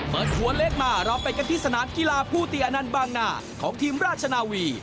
หัวเล็กมาเราไปกันที่สนามกีฬาผู้ตีอนันต์บางนาของทีมราชนาวี